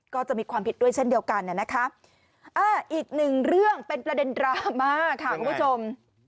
ก็จะมีความผิดด้วยเช่นเดียวกันนะคะอีกหนึ่งเรื่องเป็นประเด็นดราม่าค่ะคุณผู้ชม